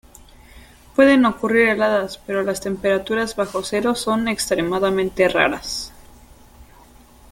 Pueden ocurrir heladas, pero las temperaturas bajo cero son extremadamente raras.